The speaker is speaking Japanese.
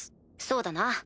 そうだな。